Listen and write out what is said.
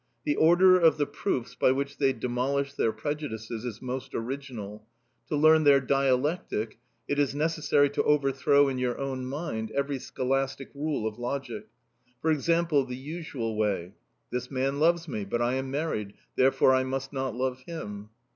The order of the proofs by which they demolish their prejudices is most original; to learn their dialectic it is necessary to overthrow in your own mind every scholastic rule of logic. For example, the usual way: "This man loves me; but I am married: therefore I must not love him."